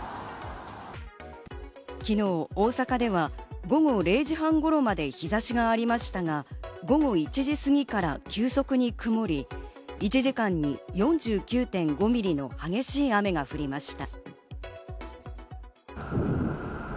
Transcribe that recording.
昨日、大阪では午後０時半頃まで日差しがありましたが、午後１時過ぎから急速に曇り、１時間に４９．５ミリの激しい雨が降りました。